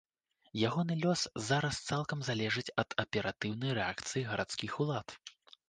Ягоны лёс зараз цалкам залежыць ад аператыўнай рэакцыі гарадскіх улад.